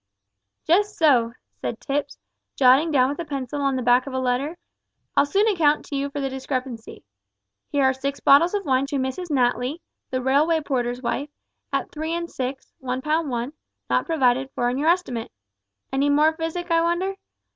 "Just so," said Tipps, jotting down with a pencil on the back of a letter. "I'll soon account to you for the discrepancy. Here are six bottles of wine to Mrs Natly, the railway porter's wife, at three and six one pound one not provided for in your estimate. Any more physic, I wonder?